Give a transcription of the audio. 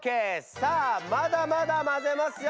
さあまだまだまぜますよ。